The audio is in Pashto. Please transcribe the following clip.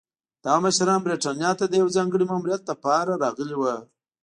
دغه مشران برېټانیا ته د یوه ځانګړي ماموریت لپاره راغلي وو.